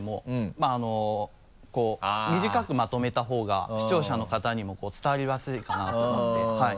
まぁ短くまとめた方が視聴者の方にも伝わりやすいかなと思ってはい。